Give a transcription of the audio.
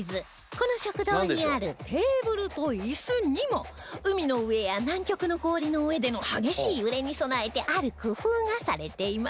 この食堂にあるテーブルとイスにも海の上や南極の氷の上での激しい揺れに備えてある工夫がされています